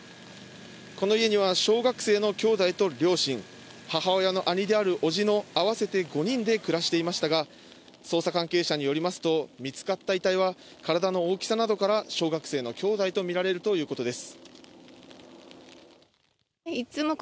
この家には小学生の兄弟と両親、母親の兄である伯父の合わせて５人で暮らしていましたが、捜査関係者によりますと、見つかった遺体は体の大きさなどから小学生の兄弟とみられるということです。